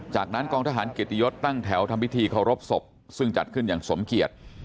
จากนั้นกองทหารเกียรติยศตั้งแถวทำพิธีเคารพศพซึ่งจัดขึ้นอย่างสมเกียจ